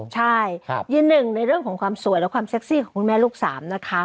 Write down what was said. ใช่ยืนหนึ่งในเรื่องของความสวยและความเซ็กซี่ของคุณแม่ลูกสามนะคะ